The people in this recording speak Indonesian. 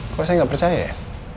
kok saya nggak percaya ya